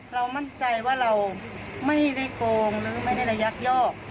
เรามั่นใจว่าเราไม่ได้โกงหรือไม่ได้ระยักยอก